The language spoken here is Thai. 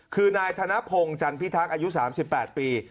คือนายธนพงศ์จันพิทักษ์อายุ๓๘ปี